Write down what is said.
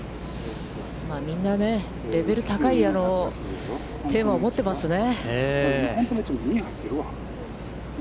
みんなね、レベルの高いテーマを持ってますね。